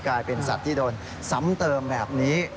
กลายเป็นสัตว์ที่โดนซ้ำเติมแบบนี้